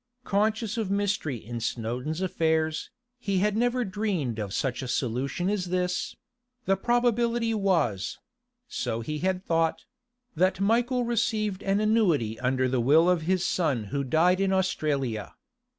Conscious of mystery in Snowdon's affairs, he had never dreamed of such a solution as this; the probability was—so he had thought—that Michael received an annuity under the will of his son who died in Australia.